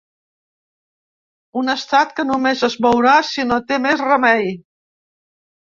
Un estat que només es mourà si no té més remei.